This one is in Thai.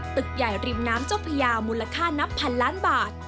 ตึกใหญ่ริมน้ำเจ้าพญามูลค่านับพันล้านบาท